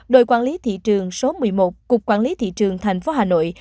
đội quản lý thị trường số một mươi một cục quản lý thị trường thành phố hà nội